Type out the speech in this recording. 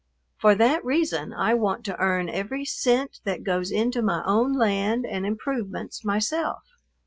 For that reason I want to earn every cent that goes into my own land and improvements myself.